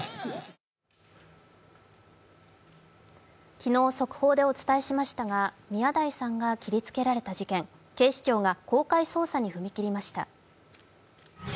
昨日速報でお伝えしましたが宮台さんが切りつけられた事件、警視庁が公開捜査に踏み切りました。